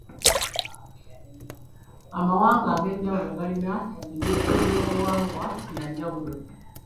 Amawanga ag'enjawulo galina eby'obuwangwa bya njawulo.